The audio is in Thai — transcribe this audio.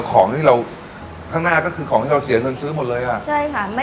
ของที่เราข้างหน้าก็คือของที่เราเสียเงินซื้อหมดเลยอ่ะใช่ค่ะไม่